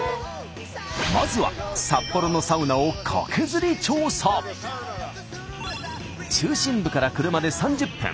まずは中心部から車で３０分。